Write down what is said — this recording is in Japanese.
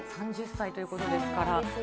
３０歳ということですから。